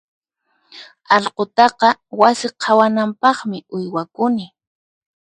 Allqutaqa wasi qhawanampaqmi uywakuni.